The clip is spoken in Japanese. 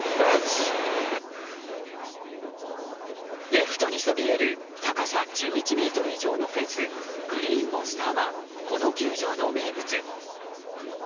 レフトにそびえる高さ１１ｍ以上のフェンスグリーンモンスターはこの球場の名物。